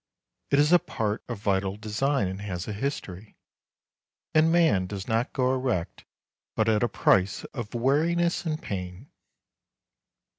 It is a part of vital design and has a history; and man does not go erect but at a price of weariness and pain.